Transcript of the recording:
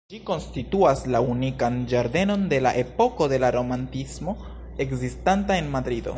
Ĝi konstituas la unikan ĝardenon de la epoko de la Romantismo ekzistanta en Madrido.